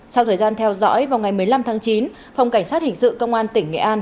sau thời gian theo dõi vào ngày một mươi năm tháng chín phòng cảnh sát hình sự công an tỉnh nghệ an